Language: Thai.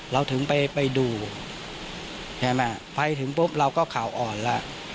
เราถึงไปดูใช่ไหมไปถึงปุ๊บเราก็ข่าวอ่อนแล้ว